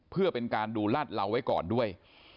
เพื่อเป็นการดูลาดเหลาไว้ก่อนด้วย